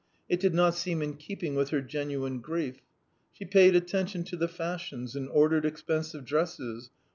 It did not seem in keeping with her genuine grief. She paid attention to the fashions and ordered expensive dresses.